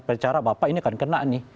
perkara bapak ini akan kena nih